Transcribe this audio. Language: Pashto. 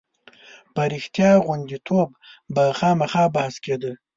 په رښتیا غوندېتوب به خامخا بحث کېده.